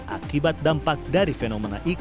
akibat dampak dari fenomena iklim el nino